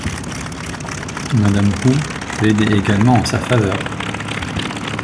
Madame Wu plaidait également en sa faveur.